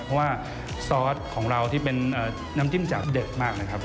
เพราะว่าซอสของเราที่เป็นน้ำจิ้มจะเด็ดมากนะครับ